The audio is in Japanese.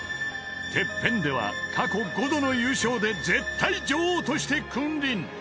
［ＴＥＰＰＥＮでは過去５度の優勝で絶対女王として君臨］